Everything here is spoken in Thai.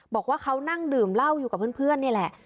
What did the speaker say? บอกว่าเขานั่งดื่มเหล้าอยู่กับเพื่อนนี่แหละ